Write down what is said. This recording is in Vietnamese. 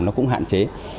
nó cũng hạn chế